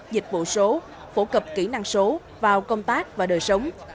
dịch vụ số phổ cập kỹ năng số vào công tác và đời sống